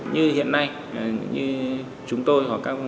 như hiện nay như chúng tôi hoặc các công ty